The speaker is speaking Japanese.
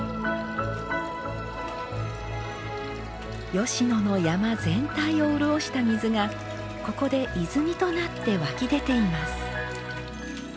吉野の山全体を潤した水がここで泉となって湧き出ています。